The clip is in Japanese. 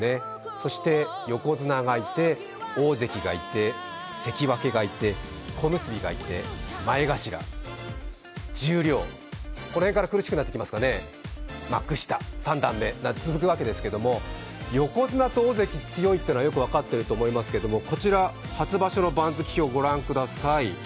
そして横綱がいて大関がいて、関脇がいて小結がいて前頭、十両、この辺から苦しくなってきますかね、幕下、三段目と続くわけですけれども横綱と大関強いというのはよく分かってると思いますけどこちら、初場所の番付表ご覧ください。